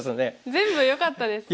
全部よかったですよね。